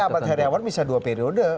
ahmad heriawan bisa dua periode